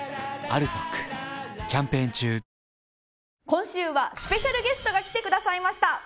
今週はスペシャルゲストが来てくださいました。